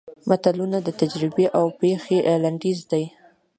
متلونه د تجربې او پېښې لنډیز دي